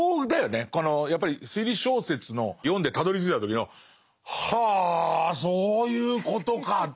このやっぱり推理小説の読んでたどりついた時のはそういうことかっていう。